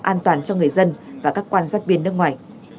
an toàn cho người dân và các quan sát viên nước ngoài